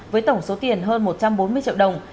với tổng số tiền hơn một trăm bốn mươi triệu đồng